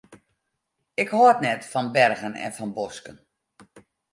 Ik hâld net fan bergen en fan bosken.